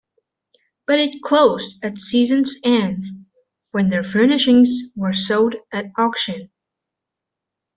But it closed at season's end, when the furnishings were sold at auction.